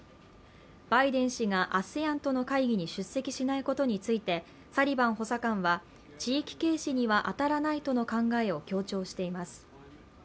バイデン氏がＡＳＥＡＮとの会議に出席しないことについてサリバン補佐官は地域軽視には当たらないとの考えを強調しています。